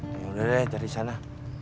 yaudah deh cari sana